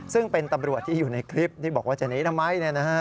ซึ่งเป็นตำรวจที่อยู่ในคลิปที่บอกว่าจะหนีทำไม